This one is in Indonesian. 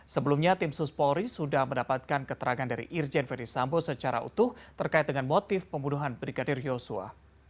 sebelumnya tim suspolri sudah mendapatkan keterangan dari irjen ferdisambo secara utuh terkait dengan motif pembunuhan brigadir yosua